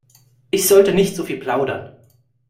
Ich sollte nicht so viel plaudern.